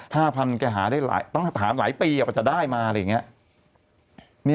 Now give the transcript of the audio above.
๕๐๐๐บาทแกหาได้หลายต้องหาหลายปีก็จะได้มาอะไรอย่างนี้